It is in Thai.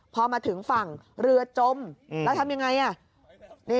พอมาถึงฝั่งเรือจมแล้วทำอย่างไรน่ะ